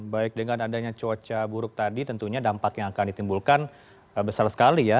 baik dengan adanya cuaca buruk tadi tentunya dampak yang akan ditimbulkan besar sekali ya